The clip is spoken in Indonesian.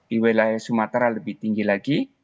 di wilayah sumatera lebih tinggi lagi